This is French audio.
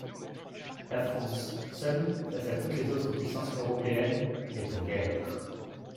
La France, seule, face à toutes les autres puissances européennes est en guerre.